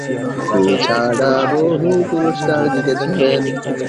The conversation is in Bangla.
এছাড়া বহু পুরস্কার জিতেছেন।